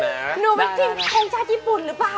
หนูไปกินทงชาติญี่ปุ่นหรือเปล่า